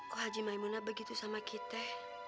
kok haji maimuna begitu sama kita